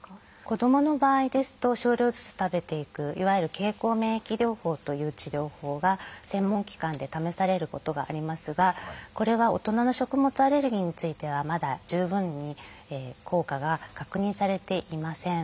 子どもの場合ですと少量ずつ食べていくいわゆる「経口免疫療法」という治療法が専門機関で試されることがありますがこれは大人の食物アレルギーについてはまだ十分に効果が確認されていません。